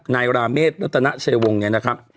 นายระเมฆตน่ะเชวงเนี่ยนะครับ